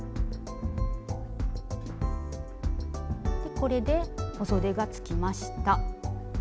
これでおそでがつきました。